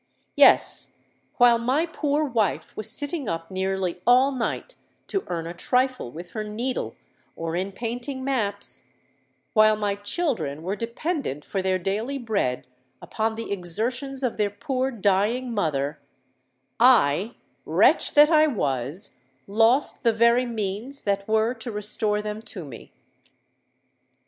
Yes—while my poor wife was sitting up nearly all night to earn a trifle with her needle or in painting maps,—while my children were dependent for their daily bread upon the exertions of their poor dying mother,—I—wretch that I was—lost the very means that were to restore me to them!